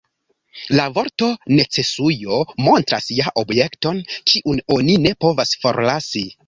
La vorto _necesujo_ montras ja objekton, kiun oni ne povas forlasi.